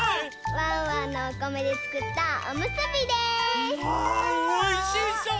ワンワンのおこめでつくったおむすびです。わおいしそう！